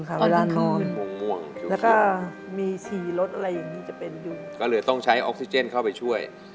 ก็เหลือต้องใช้ออกซีเจนเข้าไปช่วย